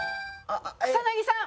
草薙さん。